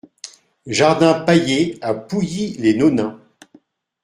Jardin Pailler à Pouilly-les-Nonains